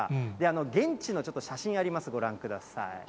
現地のちょっと写真あります、ご覧ください。